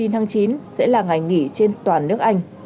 một mươi tháng chín sẽ là ngày nghỉ trên toàn nước anh